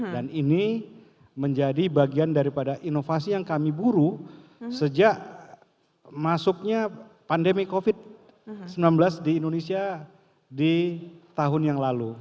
dan ini menjadi bagian daripada inovasi yang kami buru sejak masuknya pandemi covid sembilan belas di indonesia di tahun yang lalu